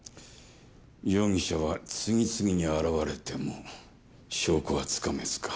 容疑者は次々に現れても証拠はつかめずか。